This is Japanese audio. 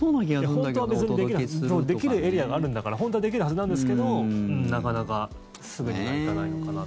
本当は別にできるエリアがあるんだから本当はできるはずなんですけどなかなかすぐにはいかないのかな。